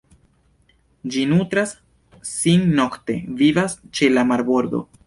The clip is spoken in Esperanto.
Ĝi nutras sin nokte, vivas ĉe la marbordo.